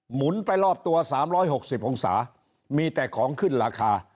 หมุนไปรอบตัว๓๖๐องศามีแต่ของขึ้นราคา